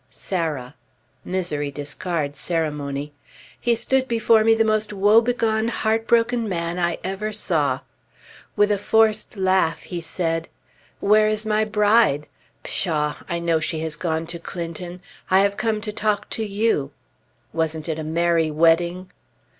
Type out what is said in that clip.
"Sarah!" (Misery discards ceremony.) He stood before me the most woebegone, heartbroken man I ever saw. With a forced laugh he said, "Where is my bride? Pshaw! I know she has gone to Clinton! I have come to talk to you. Wasn't it a merry wedding?"